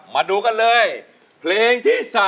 มันแรง